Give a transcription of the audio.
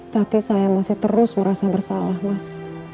tapi saya masih terus merasa bersalah mas